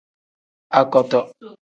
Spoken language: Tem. Akoto.